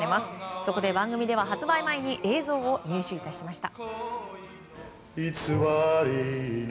そこで番組では発売前に映像を入手しました。